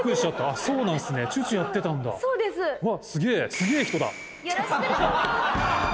「すげえ人だ」